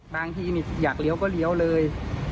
บางทีอยากเลี้ยวก็เลี้ยวเลย